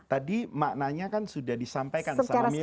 tadi maknanya kan sudah disampaikan sama mirip